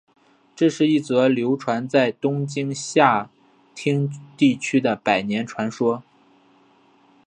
这是一则流传在东京下町地区的百年传说。